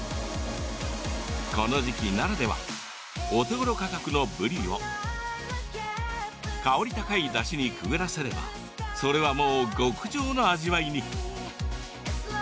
この時期ならではのお手ごろ価格のぶりを香り高いだしにくぐらせればそれはもう極上の味わいに。